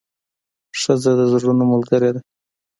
ښځه د زړونو ملګرې ده.